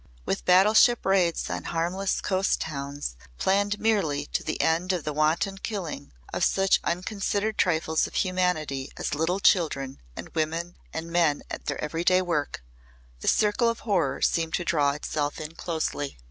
With battleship raids on harmless coast towns, planned merely to the end of the wanton killing of such unconsidered trifles of humanity as little children and women and men at their every day work, the circle of horror seemed to draw itself in closely.